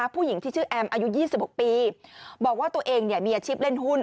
ผู้หญิงที่ชื่อแอมอายุ๒๖ปีบอกว่าตัวเองมีอาชีพเล่นหุ้น